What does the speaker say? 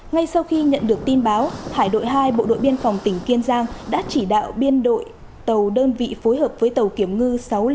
ngay sau khi nhận được tin báo hải đội hai bộ đội biên phòng tỉnh kiên giang đã chỉ đạo biên đội tàu đơn vị phối hợp với tàu kiểm ngư sáu trăm linh